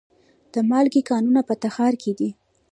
د مالګې کانونه په تخار کې دي